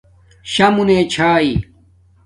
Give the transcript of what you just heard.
شݳ مُنݺ چھݳئی.